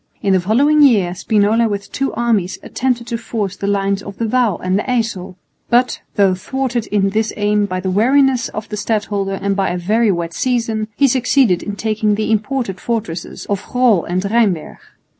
In the following year Spinola with two armies attempted to force the lines of the Waal and the Yssel, but, though thwarted in this aim by the wariness of the stadholder and by a very wet season, he succeeded in taking the important fortresses of Groll and Rheinberg.